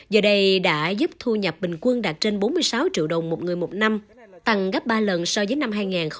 giờ đây đã giúp thu nhập bình quân đạt trên bốn mươi sáu triệu đồng một người một năm tăng gấp ba lần so với năm hai nghìn một mươi